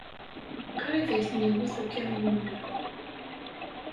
Qrib ay ten-iwit ukamyun.